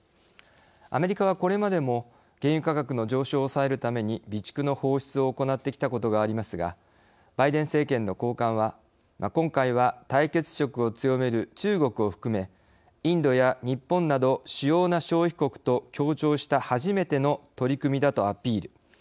アメリカはこれまでも原油価格の上昇を抑えるために備蓄の放出を行ってきたことがありますがバイデン政権の高官は、今回は対決色を強める中国を含めインドや日本など主要な消費国と協調した初めての取り組みだとアピール。